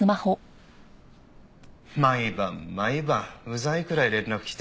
毎晩毎晩うざいくらい連絡来て。